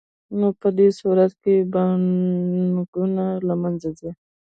نو په دې صورت کې بانکونه له منځه ځي